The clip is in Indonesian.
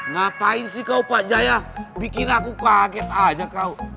ngapain sih kau pak jaya bikin aku kaget aja kau